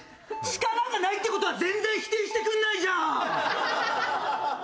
力がないって事は全然否定してくれないじゃん！